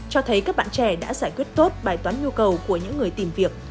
cho thấy các bạn trẻ đã giải quyết tốt bài toán nhu cầu của những người tìm việc